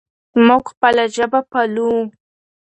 موږ خپله ژبه پالو.